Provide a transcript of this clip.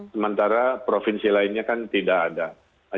sementara provinsi lainnya kan tidak ada